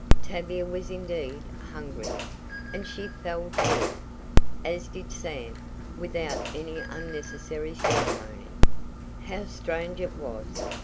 Tavia was indeed hungry, and she "fell to," as did Sam, without any unnecessary ceremony. How strange it was!